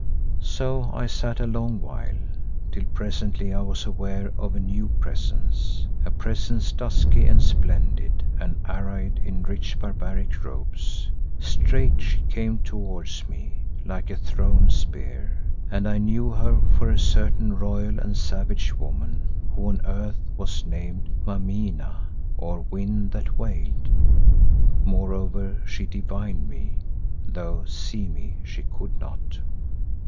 So I sat a long while, till presently I was aware of a new presence, a presence dusky and splendid and arrayed in rich barbaric robes. Straight she came towards me, like a thrown spear, and I knew her for a certain royal and savage woman who on earth was named Mameena, or "Wind that wailed." Moreover she divined me, though see me she could not.